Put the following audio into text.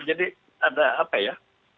jadi ada apa ya